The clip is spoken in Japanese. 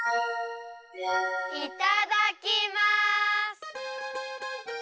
いただきます！